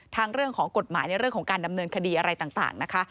เรื่องของกฎหมายในเรื่องของการดำเนินคดีอะไรต่างนะคะ